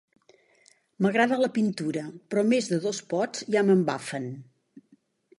M'agrada la pintura, però més de dos pots ja m'embafen.